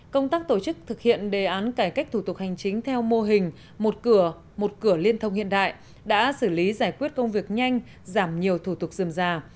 công tác tổ chức thực hiện đề án cải cách thủ tục hành chính theo mô hình một cửa một cửa liên thông hiện đại đã xử lý giải quyết công việc nhanh giảm nhiều thủ tục dườm già